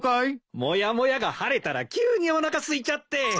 もやもやが晴れたら急におなかすいちゃって。